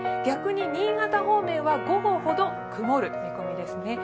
逆に新潟方面は午後ほど曇る見込みですね。